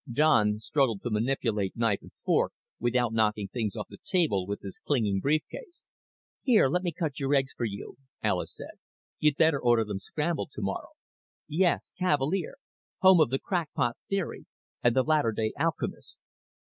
Don struggled to manipulate knife and fork without knocking things off the table with his clinging brief case. "Here, let me cut your eggs for you," Alis said. "You'd better order them scrambled tomorrow. Yes, Cavalier. Home of the crackpot theory and the latter day alchemist."